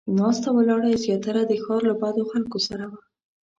ناسته ولاړه یې زیاتره د ښار له بدو خلکو سره وه.